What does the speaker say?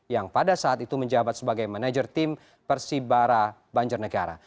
yang pada saat itu menjabat sebagai manajer tim persibara banjarnegara